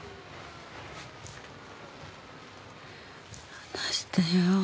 離してよ。